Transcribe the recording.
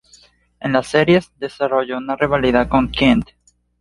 En las series, desarrolló una rivalidad con King.